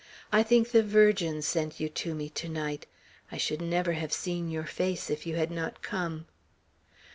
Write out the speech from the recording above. I think the Virgin sent you to me to night. I should never have seen your face if you had not come."